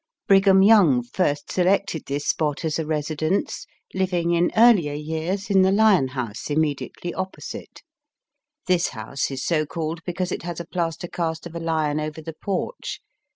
Brig ham Young first selected this spot as a residence, living in earlier years in the Lion House immediately opposite. This house is so called because it has a plaster cast of a lion over the porch.